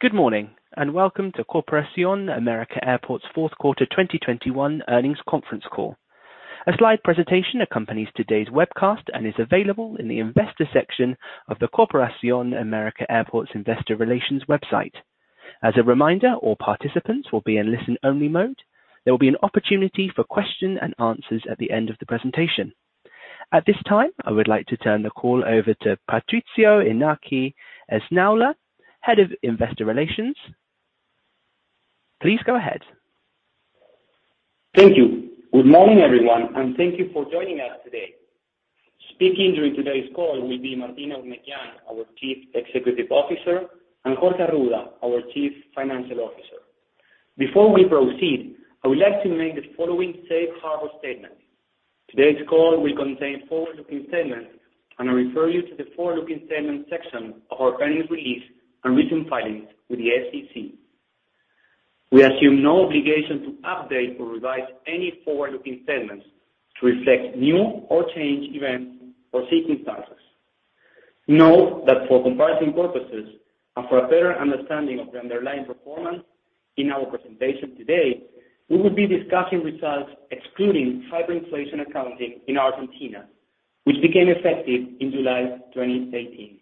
Good morning, and welcome to Corporación América Airports fourth quarter 2021 earnings conference call. A slide presentation accompanies today's webcast and is available in the investor section of the Corporación América Airports investor relations website. As a reminder, all participants will be in listen-only mode. There will be an opportunity for question and answers at the end of the presentation. At this time, I would like to turn the call over to Patricio Iñaki Esnaola, Head of Investor Relations. Please go ahead. Thank you. Good morning, everyone, and thank you for joining us today. Speaking during today's call will be Martín Eurnekian, our Chief Executive Officer, and Jorge Arruda, our Chief Financial Officer. Before we proceed, I would like to make the following Safe Harbor statement. Today's call will contain forward-looking statements, and I refer you to the forward-looking statements section of our earnings release and recent filings with the SEC. We assume no obligation to update or revise any forward-looking statements to reflect new or changed events or circumstances. Note that for comparison purposes and for a better understanding of the underlying performance in our presentation today, we will be discussing results excluding hyperinflation accounting in Argentina, which became effective in July 2018.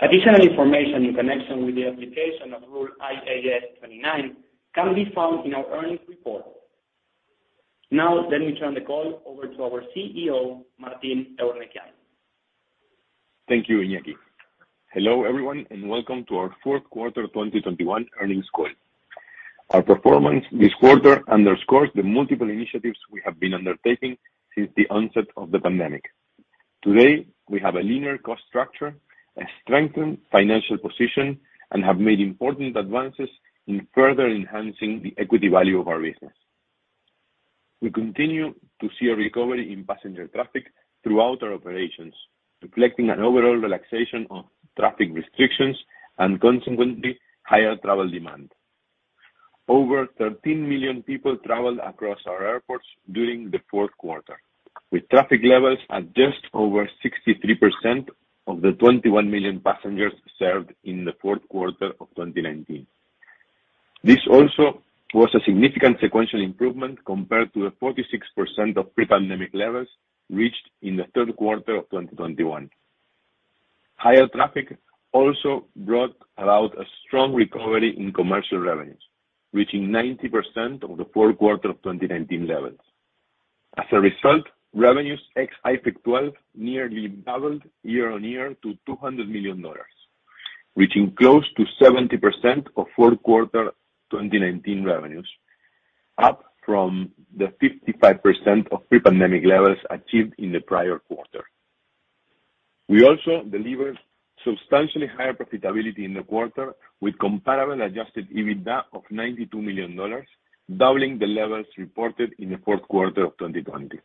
Additional information in connection with the application of IAS 29 can be found in our earnings report. Now, let me turn the call over to our CEO, Martín Eurnekian. Thank you, Iñaki. Hello, everyone, and welcome to our fourth quarter 2021 earnings call. Our performance this quarter underscores the multiple initiatives we have been undertaking since the onset of the pandemic. Today, we have a linear cost structure, a strengthened financial position, and have made important advances in further enhancing the equity value of our business. We continue to see a recovery in passenger traffic throughout our operations, reflecting an overall relaxation of traffic restrictions and consequently, higher travel demand. Over 13 million people traveled across our airports during the fourth quarter, with traffic levels at just over 63% of the 21 million passengers served in the fourth quarter of 2019. This also was a significant sequential improvement compared to the 46% of pre-pandemic levels reached in the third quarter of 2021. Higher traffic also brought about a strong recovery in commercial revenues, reaching 90% of the fourth quarter of 2019 levels. As a result, revenues ex IFRIC 12 nearly doubled year-on-year to $200 million, reaching close to 70% of fourth quarter 2019 revenues, up from the 55% of pre-pandemic levels achieved in the prior quarter. We also delivered substantially higher profitability in the quarter with comparable adjusted EBITDA of $92 million, doubling the levels reported in the fourth quarter of 2020.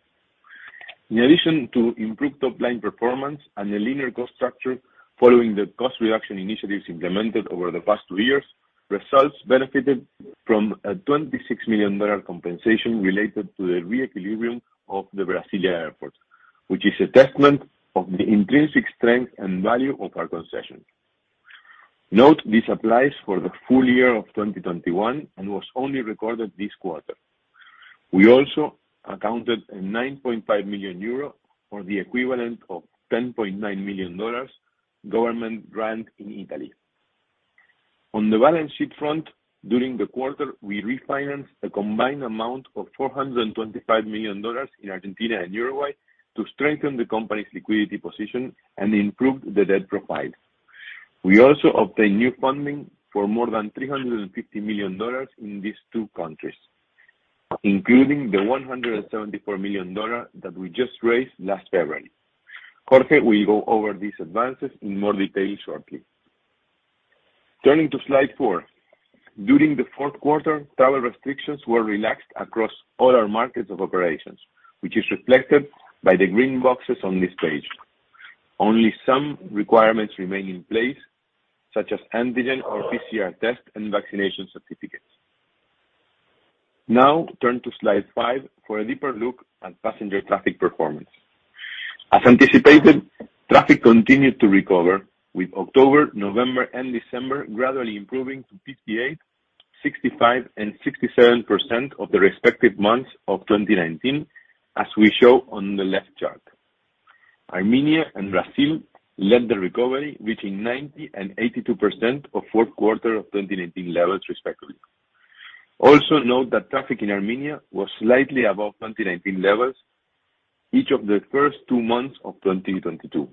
In addition to improved top-line performance and a linear cost structure following the cost reduction initiatives implemented over the past two years, results benefited from a $26 million compensation related to the re-equilibrium of the Brasília Airport, which is a testament of the intrinsic strength and value of our concession. Note, this applies for the full year of 2021 and was only recorded this quarter. We also accounted for a 9.5 million euro or the equivalent of $10.9 million government grant in Italy. On the balance sheet front, during the quarter, we refinanced a combined amount of $425 million in Argentina and Uruguay to strengthen the company's liquidity position and improve the debt profile. We also obtained new funding for more than $350 million in these two countries, including the $174 million that we just raised last February. Jorge will go over these advances in more detail shortly. Turning to slide four. During the fourth quarter, travel restrictions were relaxed across all our markets of operations, which is reflected by the green boxes on this page. Only some requirements remain in place, such as antigen or PCR tests and vaccination certificates. Now, turn to slide five for a deeper look at passenger traffic performance. As anticipated, traffic continued to recover, with October, November, and December gradually improving to 58%, 65%, and 67% of the respective months of 2019, as we show on the left chart. Armenia and Brazil led the recovery, reaching 90% and 82% of fourth quarter of 2019 levels, respectively. Also note that traffic in Armenia was slightly above 2019 levels each of the first two months of 2022.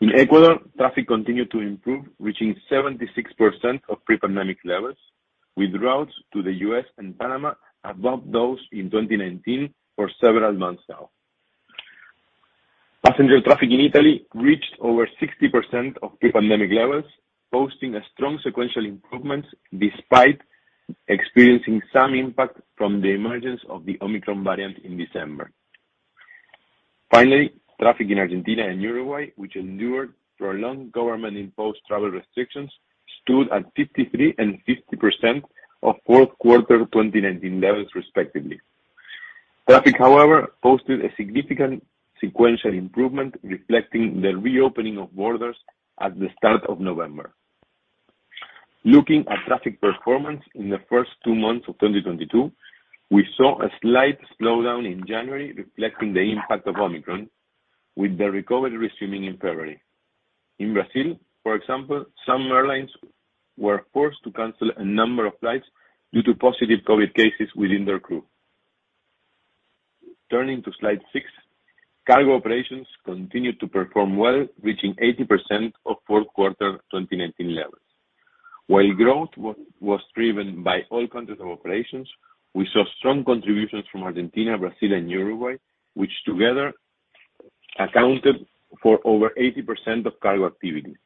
In Ecuador, traffic continued to improve, reaching 76% of pre-pandemic levels, with routes to the U.S. and Panama above those in 2019 for several months now. Passenger traffic in Italy reached over 60% of pre-pandemic levels, posting a strong sequential improvement despite experiencing some impact from the emergence of the Omicron variant in December. Finally, traffic in Argentina and Uruguay, which endured through long government-imposed travel restrictions, stood at 53% and 50% of fourth quarter 2019 levels, respectively. Traffic, however, posted a significant sequential improvement reflecting the reopening of borders at the start of November. Looking at traffic performance in the first two months of 2022, we saw a slight slowdown in January reflecting the impact of Omicron, with the recovery resuming in February. In Brazil, for example, some airlines were forced to cancel a number of flights due to positive COVID cases within their crew. Turning to slide six, cargo operations continued to perform well, reaching 80% of fourth quarter 2019 levels. While growth was driven by all countries of operations, we saw strong contributions from Argentina, Brazil and Uruguay, which together accounted for over 80% of cargo activity.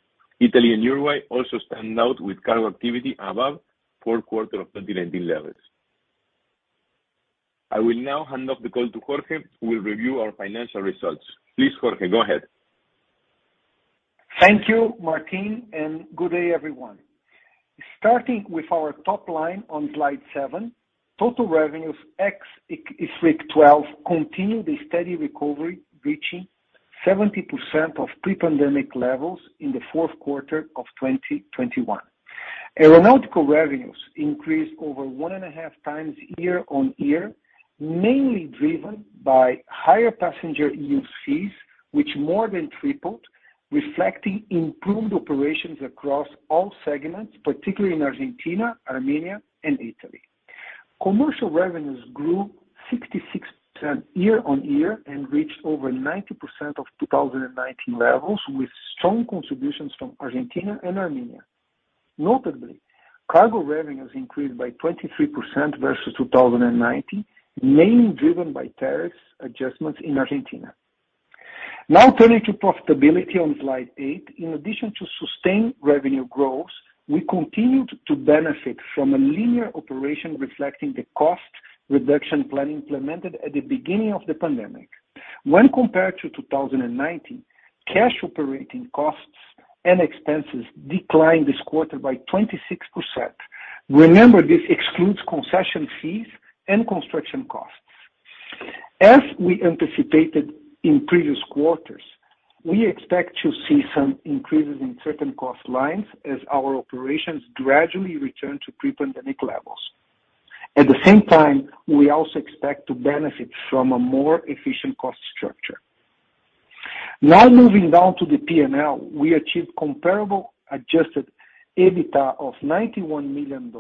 Italy and Uruguay also stand out with cargo activity above fourth quarter of 2019 levels. I will now hand off the call to Jorge, who will review our financial results. Please, Jorge, go ahead. Thank you, Martín, and good day, everyone. Starting with our top line on slide seven, total revenues ex IFRIC 12 continued a steady recovery, reaching 70% of pre-pandemic levels in the fourth quarter of 2021. Aeronautical revenues increased over one and a half times year-on-year, mainly driven by higher passenger use fees, which more than tripled, reflecting improved operations across all segments, particularly in Argentina, Armenia and Italy. Commercial revenues grew 66% year-on-year and reached over 90% of 2019 levels, with strong contributions from Argentina and Armenia. Notably, cargo revenues increased by 23% versus 2019, mainly driven by tariff adjustments in Argentina. Now turning to profitability on slide eight. In addition to sustained revenue growth, we continued to benefit from a leaner operation reflecting the cost reduction plan implemented at the beginning of the pandemic. When compared to 2019, cash operating costs and expenses declined this quarter by 26%. Remember, this excludes concession fees and construction costs. As we anticipated in previous quarters, we expect to see some increases in certain cost lines as our operations gradually return to pre-pandemic levels. At the same time, we also expect to benefit from a more efficient cost structure. Now moving down to the P&L, we achieved comparable adjusted EBITDA of $91 million,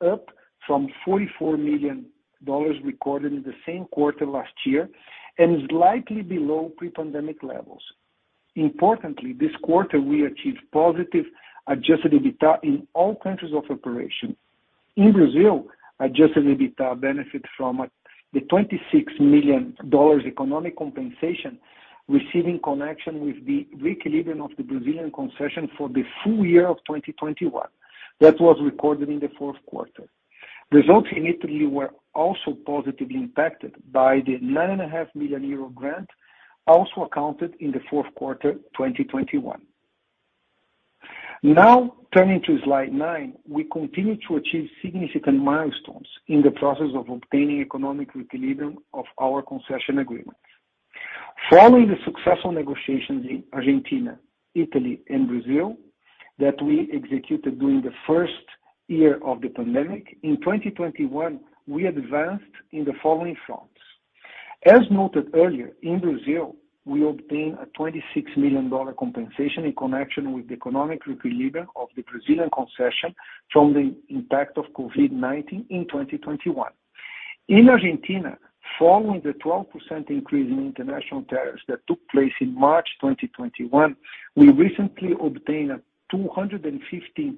up from $44 million recorded in the same quarter last year, and is likely below pre-pandemic levels. Importantly, this quarter we achieved positive adjusted EBITDA in all countries of operation. In Brazil, adjusted EBITDA benefit from the $26 million economic compensation received in connection with the re-equilibrium of the Brazilian concession for the full year of 2021. That was recorded in the fourth quarter. Results in Italy were also positively impacted by the 9.5 million euro grant, also accounted in the fourth quarter, 2021. Now turning to slide nine. We continue to achieve significant milestones in the process of obtaining economic equilibrium of our concession agreements. Following the successful negotiations in Argentina, Italy and Brazil that we executed during the first year of the pandemic, in 2021 we advanced in the following fronts. As noted earlier, in Brazil we obtained a $26 million compensation in connection with the economic re-equilibrium of the Brazilian concession from the impact of COVID-19 in 2021. In Argentina, following the 12% increase in international tariffs that took place in March 2021, we recently obtained a 215%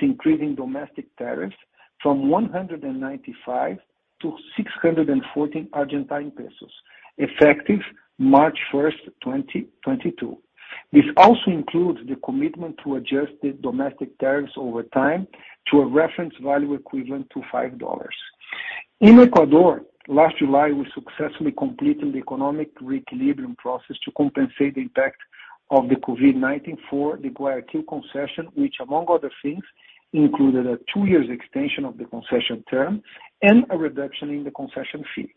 increase in domestic tariffs from 195 to 614 Argentine pesos, effective March 1st, 2022. This also includes the commitment to adjust the domestic tariffs over time to a reference value equivalent to $5. In Ecuador, last July, we successfully completed the economic re-equilibrium process to compensate the impact of the COVID-19 for the Guayaquil concession, which among other things, included a two-year extension of the concession term and a reduction in the concession fee.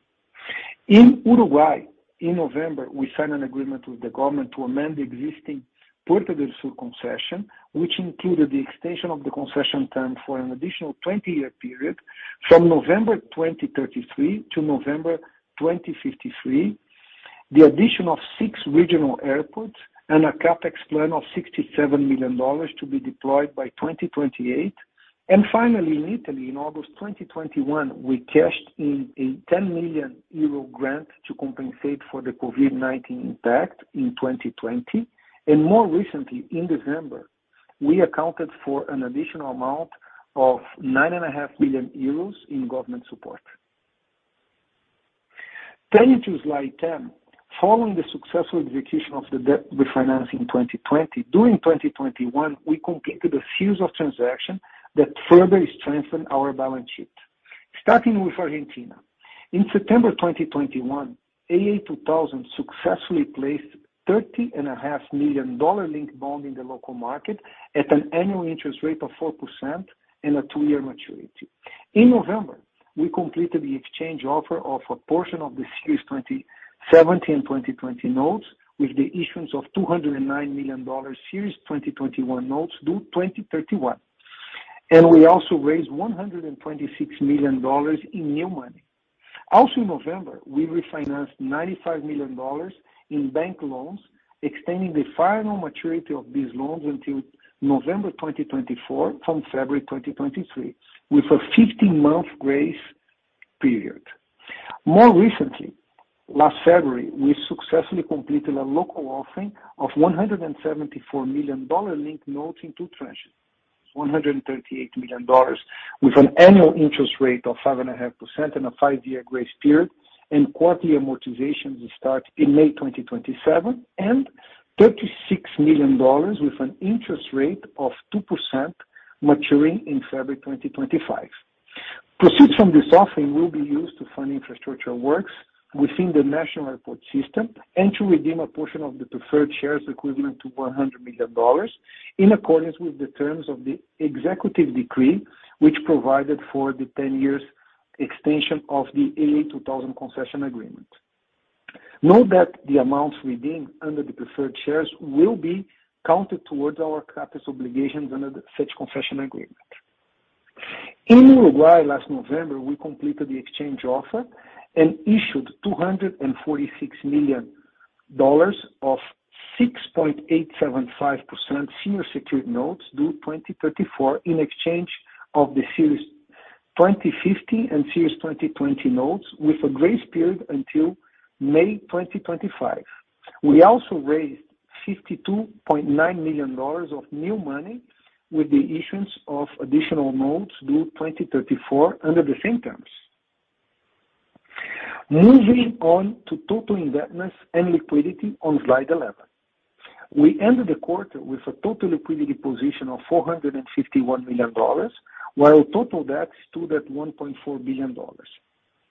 In Uruguay, in November, we signed an agreement with the government to amend the existing Puerta del Sur concession, which included the extension of the concession term for an additional 20-year period from November 2033 to November 2053, the addition of six regional airports and a CapEx plan of $67 million to be deployed by 2028. Finally, in Italy, in August 2021, we cashed in a 10 million euro grant to compensate for the COVID-19 impact in 2020. More recently, in December, we accounted for an additional amount of 9.5 million euros in government support. Turning to slide 10. Following the successful execution of the debt refinance in 2020, during 2021 we completed a series of transactions that further strengthened our balance sheet. Starting with Argentina. In September 2021, AA2000 successfully placed $30.5 million dollar-linked bond in the local market at an annual interest rate of 4% and a two-year maturity. In November, we completed the exchange offer of a portion of the Series 2017, 2020 notes with the issuance of $209 million Series 2021 notes due 2031. We also raised $126 million in new money. Also in November, we refinanced $95 million in bank loans, extending the final maturity of these loans until November 2024 from February 2023, with a 15-month grace period. More recently, last February, we successfully completed a local offering of $174 million dollar-linked notes in two tranches. $138 million with an annual interest rate of 5.5% and a five-year grace period, and quarterly amortizations will start in May 2027, and $36 million with an interest rate of 2% maturing in February 2025. Proceeds from this offering will be used to fund infrastructure works within the national airport system and to redeem a portion of the preferred shares equivalent to $100 million in accordance with the terms of the executive decree, which provided for the 10-year extension of the AA2000 concession agreement. Note that the amounts redeemed under the preferred shares will be counted towards our CapEx obligations under such concession agreement. In Uruguay last November, we completed the exchange offer and issued $246 million of 6.875% senior secured notes due 2034 in exchange of the series 2050 and series 2020 notes with a grace period until May 2025. We also raised $52.9 million of new money with the issuance of additional notes due 2034 under the same terms. Moving on to total indebtedness and liquidity on slide 11. We ended the quarter with a total liquidity position of $451 million, while total debt stood at $1.4 billion.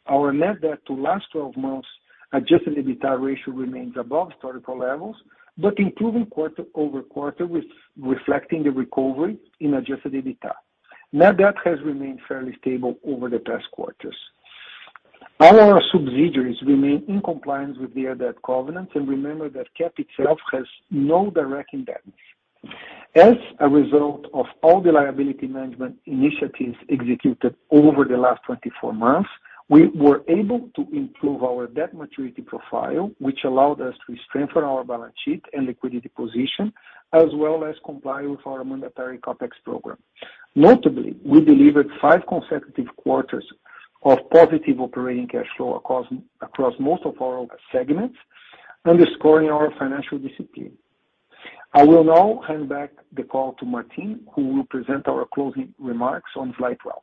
Our net debt to last 12 months adjusted EBITDA ratio remains above historical levels, but improving quarter-over-quarter, reflecting the recovery in adjusted EBITDA. Net debt has remained fairly stable over the past quarters. All our subsidiaries remain in compliance with their debt covenants, and remember that CAAP itself has no direct indebtedness. As a result of all the liability management initiatives executed over the last 24 months, we were able to improve our debt maturity profile, which allowed us to strengthen our balance sheet and liquidity position, as well as comply with our mandatory CapEx program. Notably, we delivered five consecutive quarters of positive operating cash flow across most of our segments, underscoring our financial discipline. I will now hand back the call to Martín, who will present our closing remarks on slide 12.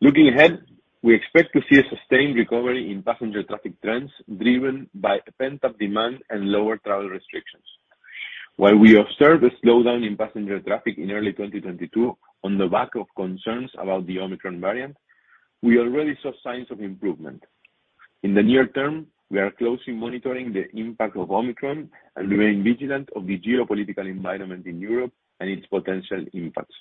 Looking ahead, we expect to see a sustained recovery in passenger traffic trends driven by pent-up demand and lower travel restrictions. While we observed a slowdown in passenger traffic in early 2022 on the back of concerns about the Omicron variant, we already saw signs of improvement. In the near term, we are closely monitoring the impact of Omicron and remain vigilant of the geopolitical environment in Europe and its potential impacts.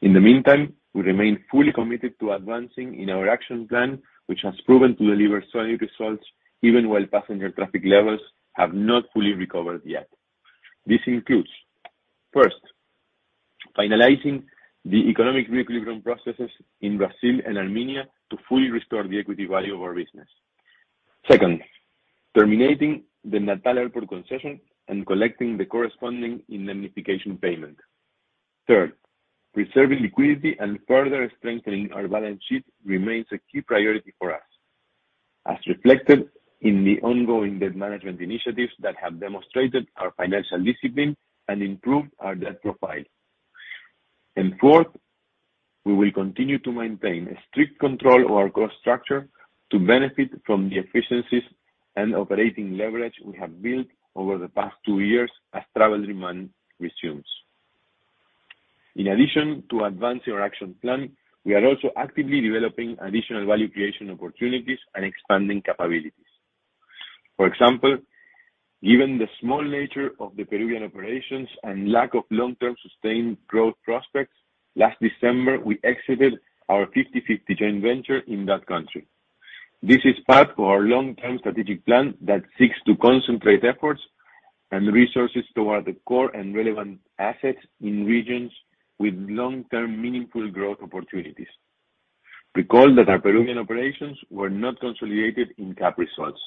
In the meantime, we remain fully committed to advancing in our action plan, which has proven to deliver solid results even while passenger traffic levels have not fully recovered yet. This includes, first, finalizing the economic re-equilibrium processes in Brazil and Armenia to fully restore the equity value of our business. Second, terminating the Natal Airport concession and collecting the corresponding indemnification payment. Third, preserving liquidity and further strengthening our balance sheet remains a key priority for us, as reflected in the ongoing debt management initiatives that have demonstrated our financial discipline and improved our debt profile. Fourth, we will continue to maintain a strict control of our cost structure to benefit from the efficiencies and operating leverage we have built over the past two years as travel demand resumes. In addition to advancing our action plan, we are also actively developing additional value creation opportunities and expanding capabilities. For example, given the small nature of the Peruvian operations and lack of long-term sustained growth prospects, last December, we exited our 50/50 joint venture in that country. This is part of our long-term strategic plan that seeks to concentrate efforts and resources toward the core and relevant assets in regions with long-term meaningful growth opportunities. Recall that our Peruvian operations were not consolidated in CAAP results.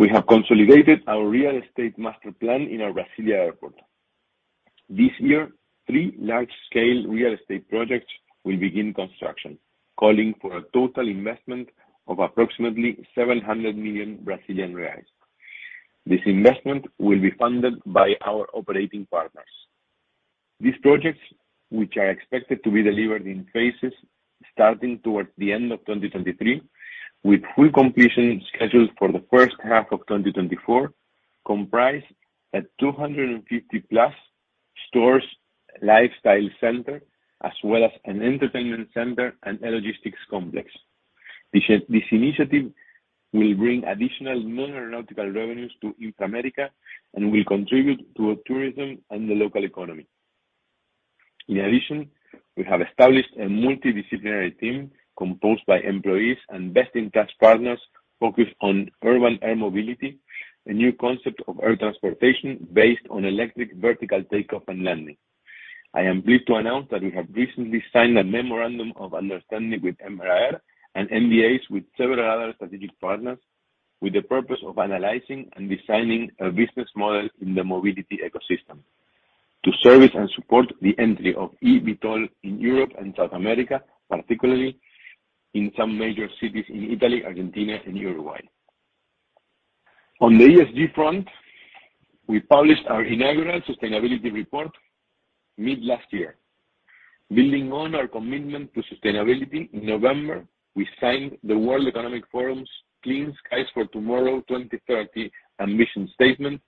We have consolidated our real estate master plan in our Brasília Airport. This year, three large-scale real estate projects will begin construction, calling for a total investment of approximately 700 million Brazilian reais. This investment will be funded by our operating partners. These projects, which are expected to be delivered in phases starting towards the end of 2023, with full completion scheduled for the first half of 2024, comprise a 250+ stores lifestyle center, as well as an entertainment center and logistics complex. This initiative will bring additional non-aeronautical revenues to Inframérica and will contribute to tourism and the local economy. In addition, we have established a multidisciplinary team composed by employees and best-in-class partners focused on urban air mobility, a new concept of air transportation based on electric vertical takeoff and landing. I am pleased to announce that we have recently signed a memorandum of understanding with MRAR and MOUs with several other strategic partners with the purpose of analyzing and designing a business model in the mobility ecosystem to service and support the entry of eVTOL in Europe and South America, particularly in some major cities in Italy, Argentina, and Uruguay. On the ESG front, we published our inaugural sustainability report mid last year. Building on our commitment to sustainability, in November, we signed the World Economic Forum's Clean Skies for Tomorrow 2030 ambition statement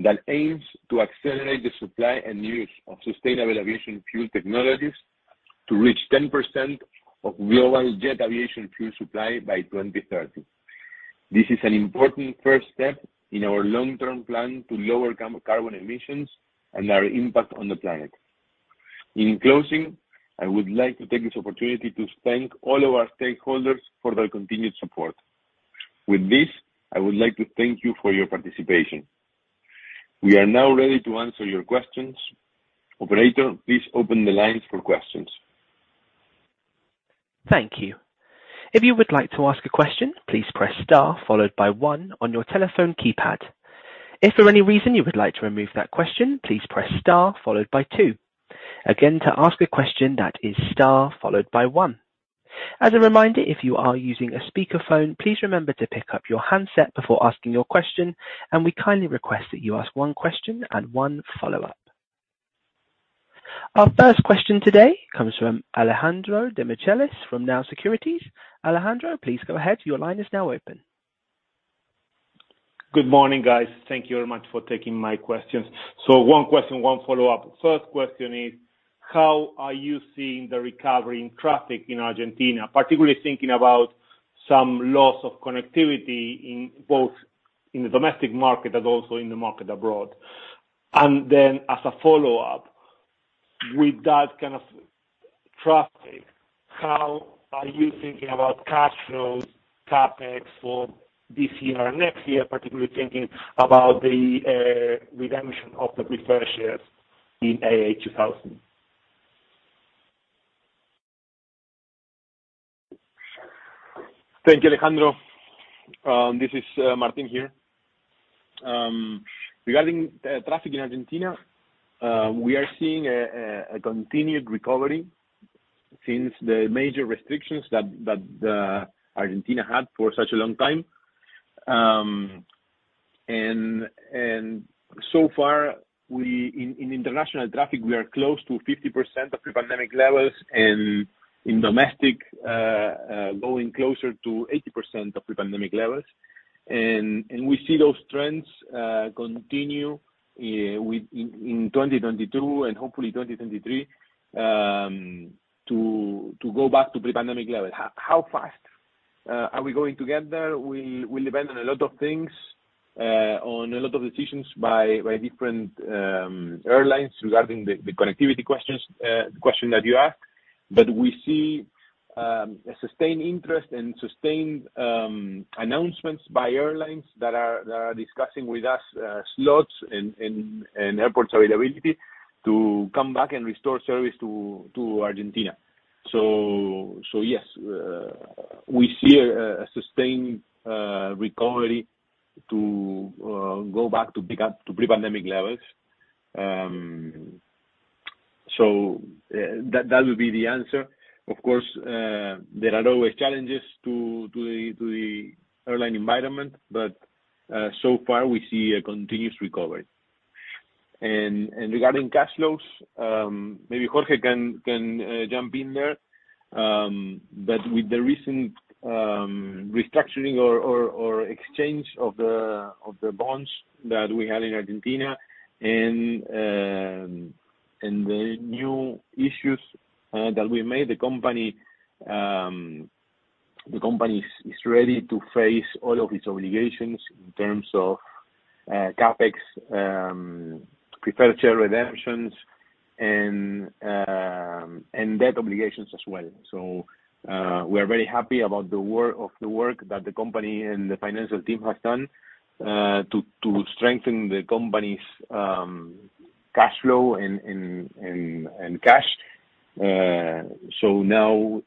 that aims to accelerate the supply and use of sustainable aviation fuel technologies to reach 10% of global jet aviation fuel supply by 2030. This is an important first step in our long-term plan to lower carbon emissions and our impact on the planet. In closing, I would like to take this opportunity to thank all of our stakeholders for their continued support. With this, I would like to thank you for your participation. We are now ready to answer your questions. Operator, please open the lines for questions. Thank you. If you would like to ask a question, please press star followed by one on your telephone keypad. If for any reason you would like to remove that question, please press star followed by two. Again, to ask a question that is star followed by one. As a reminder, if you are using a speakerphone, please remember to pick up your handset before asking your question, and we kindly request that you ask one question and one follow-up. Our first question today comes from Alejandro Demichelis from Nau Securities. Alejandro, please go ahead. Your line is now open. Good morning, guys. Thank you very much for taking my questions. One question, one follow-up. First question is how are you seeing the recovery in traffic in Argentina, particularly thinking about some loss of connectivity in both, in the domestic market and also in the market abroad? Then as a follow-up, with that kind of traffic, how are you thinking about cash flows, CapEx for this year or next year, particularly thinking about the redemption of the preferred shares in AA2000? Thank you, Alejandro. This is Martín here. Regarding traffic in Argentina, we are seeing a continued recovery since the major restrictions that Argentina had for such a long time. So far in international traffic, we are close to 50% of pre-pandemic levels and in domestic going closer to 80% of pre-pandemic levels. We see those trends continue in 2022 and hopefully 2023 to go back to pre-pandemic level. How fast are we going to get there will depend on a lot of things, on a lot of decisions by different airlines regarding the connectivity question that you ask. We see a sustained interest and sustained announcements by airlines that are discussing with us slots and airport availability to come back and restore service to Argentina. Yes, we see a sustained recovery to go back to pre-pandemic levels. That would be the answer. Of course, there are always challenges to the airline environment, but so far we see a continuous recovery. Regarding cash flows, maybe Jorge can jump in there. With the recent restructuring or exchange of the bonds that we had in Argentina and the new issues that we made, the company is ready to face all of its obligations in terms of CapEx, preferred share redemptions and debt obligations as well. We are very happy about the work that the company and the financial team has done to strengthen the company's cash flow and cash. Now,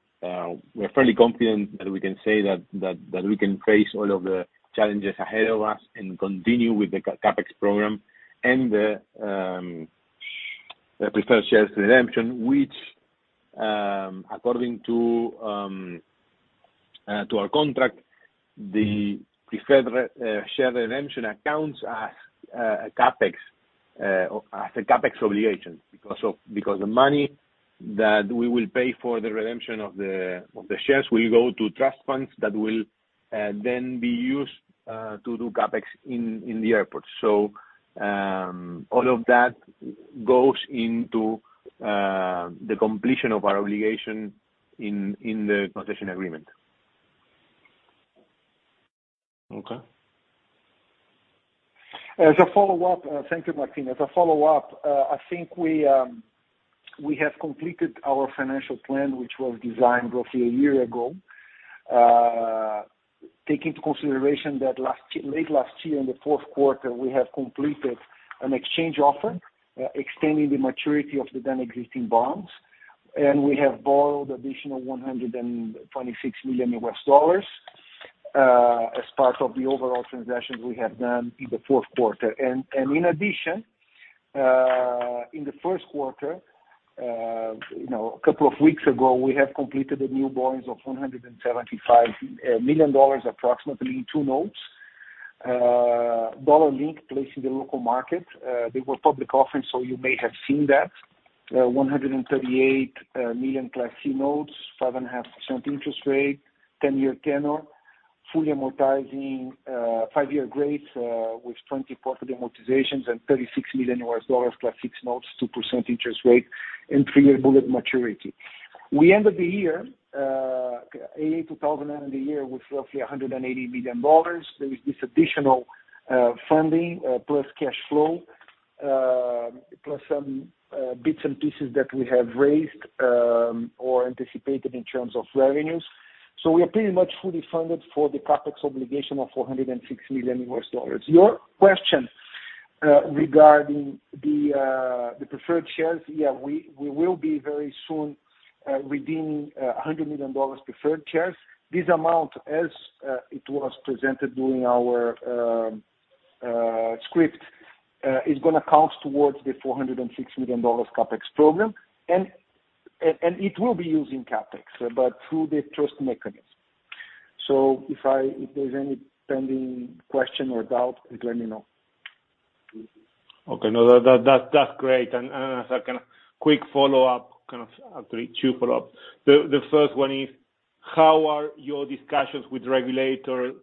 we're fairly confident that we can say that we can face all of the challenges ahead of us and continue with the CapEx program and the preferred shares redemption, which, according to our contract, the preferred share redemption counts as a CapEx obligation. Because the money that we will pay for the redemption of the shares will go to trust funds that will then be used to do CapEx in the airport. All of that goes into the completion of our obligation in the concession agreement. Okay. Thank you, Martín. As a follow-up, I think we have completed our financial plan, which was designed roughly a year ago. Take into consideration that last year, late last year, in the fourth quarter, we have completed an exchange offer, extending the maturity of the then existing bonds, and we have borrowed additional $126 million as part of the overall transactions we have done in the fourth quarter. In addition, in the first quarter, you know, a couple of weeks ago, we have completed the new borrowings of $175 million, approximately in two notes, dollar-linked, placed in the local market. They were public offerings, so you may have seen that. 138 million Class C notes, 7.5% interest rate, 10-year tenor, fully amortizing, five-year grace, with 24 for the amortizations and $36 million Class C notes, 2% interest rate, and three-year bullet maturity. We ended the year AA2000 end of the year with roughly $180 million. There is this additional funding plus cash flow plus some bits and pieces that we have raised or anticipated in terms of revenues. We are pretty much fully funded for the CapEx obligation of $406 million. Your question regarding the preferred shares, yeah, we will be very soon redeeming $100 million preferred shares. This amount, as it was presented during our script, is gonna count towards the $406 million CapEx program. It will be used in CapEx, but through the trust mechanism. If there's any pending question or doubt, please let me know. Okay. That's great. As a kinda quick follow-up, kind of actually two follow-up. The first one is: How are your discussions with regulator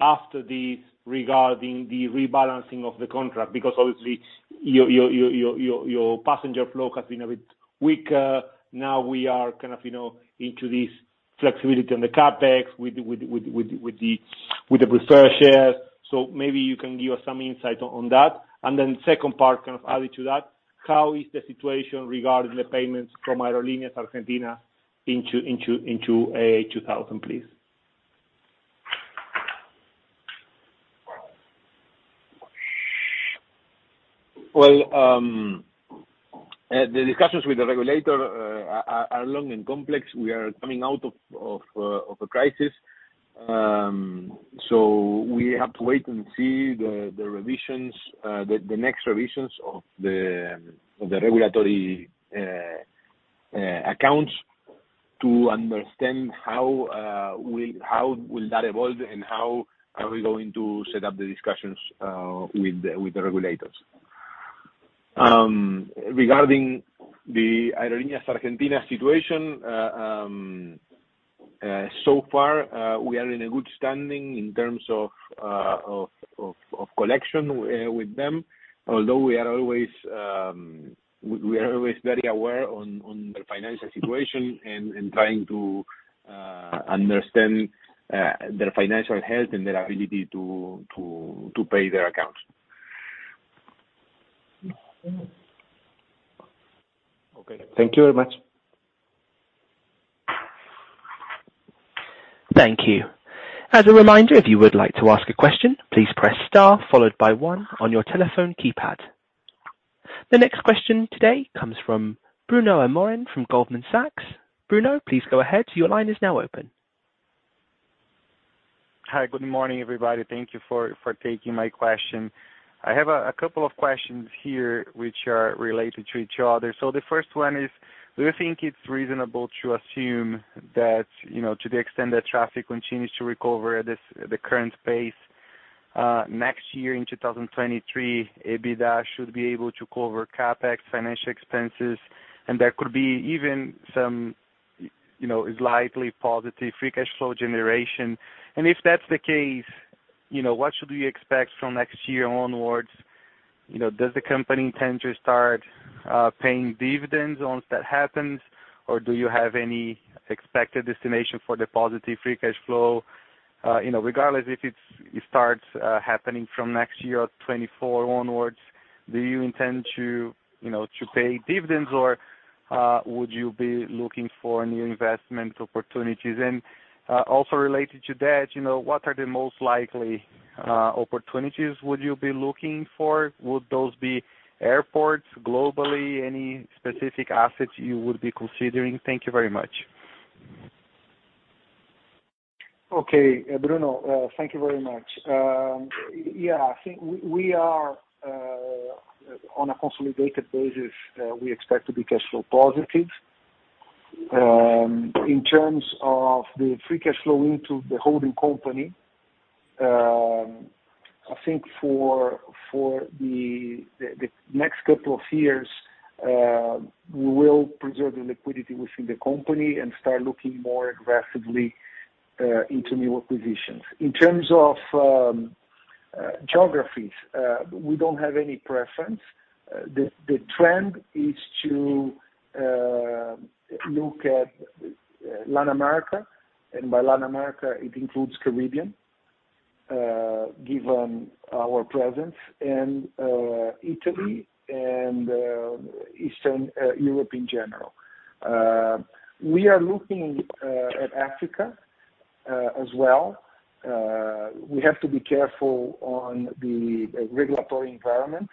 after this regarding the rebalancing of the contract? Because obviously your passenger flow has been a bit weaker. Now we are kind of, you know, into this flexibility on the CapEx with the preferred shares. So maybe you can give us some insight on that. Then second part, kind of added to that: How is the situation regarding the payments from Aerolíneas Argentinas into AA 2000, please? Well, the discussions with the regulator are long and complex. We are coming out of a crisis. We have to wait and see the next revisions of the regulatory accounts to understand how that will evolve and how we are going to set up the discussions with the regulators. Regarding the Aerolíneas Argentinas situation, so far we are in good standing in terms of collection with them, although we are always very aware of their financial situation and trying to understand their financial health and their ability to pay their accounts. Okay. Thank you very much. Thank you. As a reminder, if you would like to ask a question, please press star followed by one on your telephone keypad. The next question today comes from Bruno Amorim from Goldman Sachs. Bruno, please go ahead. Your line is now open. Hi. Good morning, everybody. Thank you for taking my question. I have a couple of questions here which are related to each other. The first one is: Do you think it's reasonable to assume that, you know, to the extent that traffic continues to recover at this, the current pace, next year in 2023, EBITDA should be able to cover CapEx financial expenses, and there could be even some, you know, slightly positive free cash flow generation? And if that's the case, you know, what should we expect from next year onwards? You know, does the company intend to start paying dividends once that happens, or do you have any expected estimation for the positive free cash flow? You know, regardless if it's happening from next year or 2024 onwards, do you intend to, you know, to pay dividends or would you be looking for new investment opportunities? Also related to that, you know, what are the most likely opportunities would you be looking for? Would those be airports globally? Any specific assets you would be considering? Thank you very much. Okay. Bruno, thank you very much. Yeah, I think we are on a consolidated basis we expect to be cash flow positive. In terms of the free cash flow into the holding company, I think for the next couple of years, we will preserve the liquidity within the company and start looking more aggressively into new acquisitions. In terms of geographies, we don't have any preference. The trend is to look at Latin America, and by Latin America, it includes the Caribbean, given our presence, and Italy and Eastern Europe in general. We are looking at Africa as well. We have to be careful on the regulatory environment,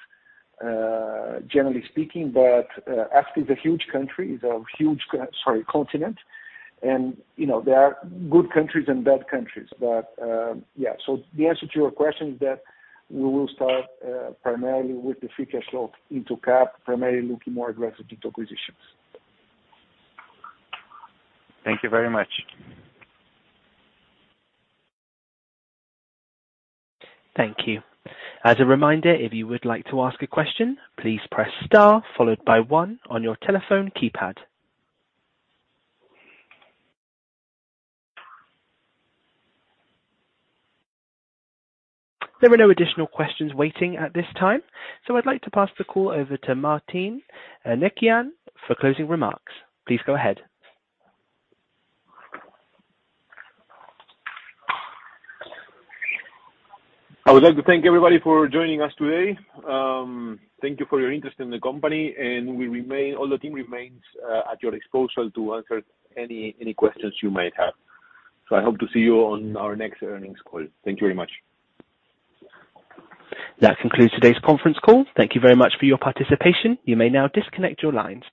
generally speaking, but Africa is a huge continent, and you know, there are good countries and bad countries. Yeah. The answer to your question is that we will start primarily with the free cash flow into CapEx, primarily looking more aggressive into acquisitions. Thank you very much. Thank you. As a reminder, if you would like to ask a question, please press star followed by one on your telephone keypad. There are no additional questions waiting at this time, so I'd like to pass the call over to Martín Eurnekian for closing remarks. Please go ahead. I would like to thank everybody for joining us today. Thank you for your interest in the company, and all the team remains at your disposal to answer any questions you might have. I hope to see you on our next earnings call. Thank you very much. That concludes today's conference call. Thank you very much for your participation. You may now disconnect your lines.